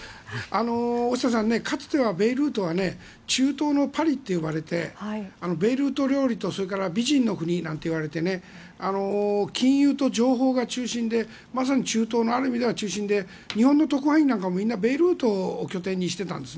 大下さん、かつてベイルートは中東のパリと呼ばれてベイルート料理と美人の国と言われて金融と情報が中心でまさに中東のある意味では中心で日本の渡航なんかはみんなベイルートを拠点にしていたんです。